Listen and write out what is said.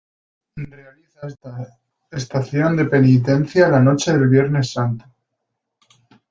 Realiza estación de penitencia la noche del Viernes Santo.